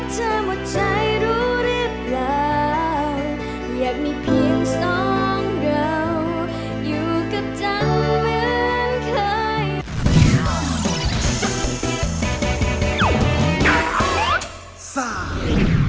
สวัสดีครับ